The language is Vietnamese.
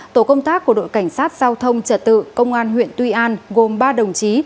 tổ công tác của đội cảnh sát giao thông trật tự công an huyện tuy an gồm ba đồng chí